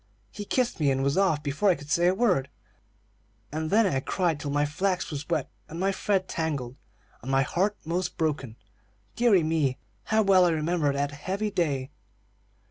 "He kissed me, and was off before I could say a word, and then I cried till my flax was wet and my thread tangled, and my heart 'most broken. Deary me, how well I remember that heavy day!"